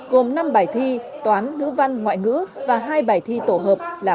gồm năm bài thi toán ngữ văn ngoại ngữ và hai bài thi tổ hợp là